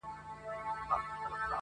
o د هوا نه یې مرګ غواړه قاسم یاره,